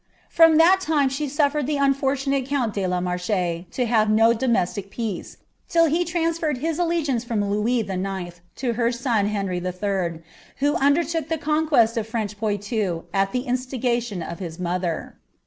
From that time she suflered the unfortunate count de la Marche to btn DO domestic peace, till he transferred his allegiance from Louis IX. Co ber won Henry 111., who undertook the conquest of French Poitou at ' the insiigntion of his moiher.'